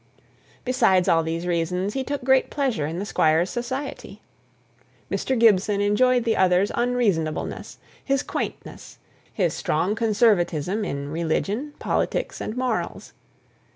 Besides all these reasons, he took great pleasure in the Squire's society. Mr. Gibson enjoyed the other's unreasonableness; his quaintness; his strong conservatism in religion, politics, and morals.